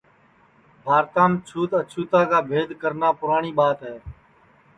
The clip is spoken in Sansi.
بھارتام چھوت اچھوتا کا بھید کرنا پُراٹؔی ٻات ہے